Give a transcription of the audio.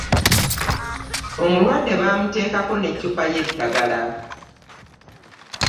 Omulwadde bamutekako n'eccupa y'eddagala.